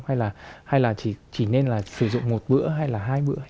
hay là chỉ nên là sử dụng một bữa hay là hai bữa